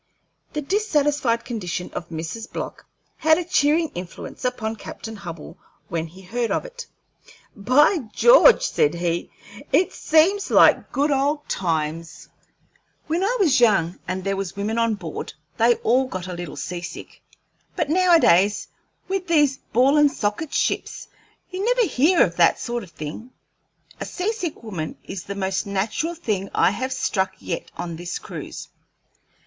The dissatisfied condition of Mrs. Block had a cheering influence upon Captain Hubbell when he heard of it. "By George!" said he, "this seems like good old times. When I was young and there was women on board, they all got a little sea sick; but nowadays, with these ball and socket ships, you never hear of that sort of thing. A sea sick woman is the most natural thing I have struck yet on this cruise."